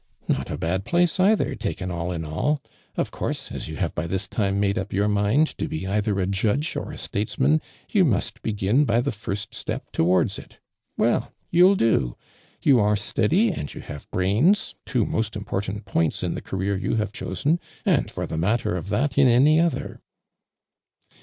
"Not a bad place, either, taken all in all. 01 course, as you have by this time made up your mind to be either a judge or a states man, you must begin by the first step to war((s it. Well, you'll do. You arc steady and you have brains, two most important ]toints in the career you have chosen, and for the matter of that in any other."